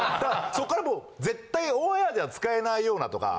そっからもう絶対オンエアでは使えないようなとか。